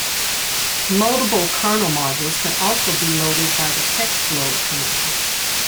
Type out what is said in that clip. Loadable kernel modules can also be loaded by the kextload command.